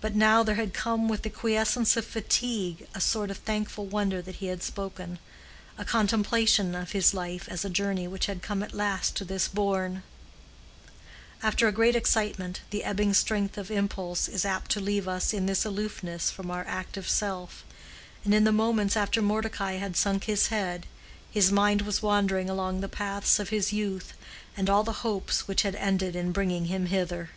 But now there had come with the quiescence of fatigue a sort of thankful wonder that he had spoken—a contemplation of his life as a journey which had come at last to this bourne. After a great excitement, the ebbing strength of impulse is apt to leave us in this aloofness from our active self. And in the moments after Mordecai had sunk his head, his mind was wandering along the paths of his youth, and all the hopes which had ended in bringing him hither.